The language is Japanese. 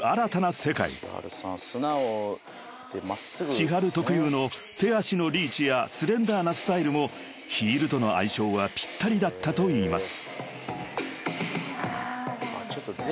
［ｃｈｉｈａｒｕ特有の手足のリーチやスレンダーなスタイルもヒールとの相性はぴったりだったといいます］